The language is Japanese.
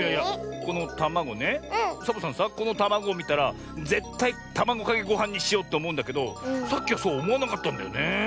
このたまごをみたらぜったいたまごかけごはんにしようっておもうんだけどさっきはそうおもわなかったんだよね。